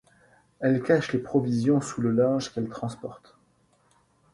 Elle cache les provisions sous le linge qu'elle transporte.